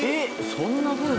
そんなふうに？